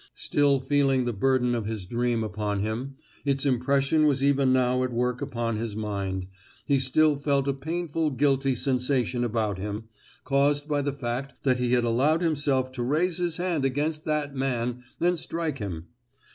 Still feeling the burden of his dream upon him, its impression was even now at work upon his mind, he still felt a painfully guilty sensation about him, caused by the fact that he had allowed himself to raise his hand against "that man" and strike him.